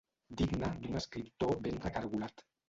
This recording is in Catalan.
Digne d'un escriptor ben recargolat.